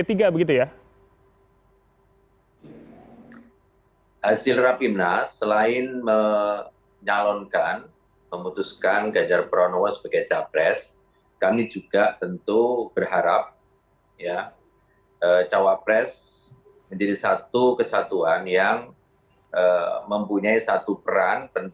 terima kasih ya